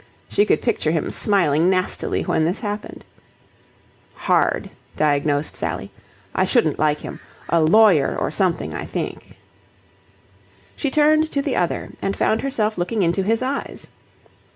She could picture him smiling nastily when this happened. "Hard," diagnosed Sally. "I shouldn't like him. A lawyer or something, I think." She turned to the other and found herself looking into his eyes.